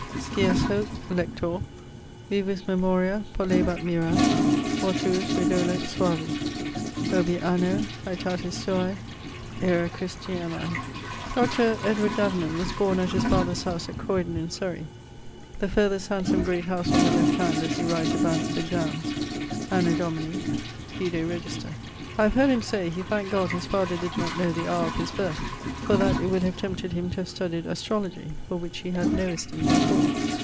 Scias hoc, lector: vivus memoria Pollebat mirâ, mortuus redolet suavi. Obiit anno { Aetatis suae ...{ Aerae Christianae ... Dr. Edward Davenant was borne at his father's howse at Croydon in Surrey (the farthest handsome great howse on the left hand as you ride to Bansted Downes) anno Domini ... (vide register). I have heard him say, he thankt God his father did not know the houre of his birth; for that it would have tempted him to have studyed astrologie, for which he had no esteeme at all.